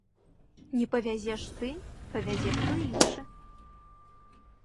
Не павязеш ты, павязе хто іншы!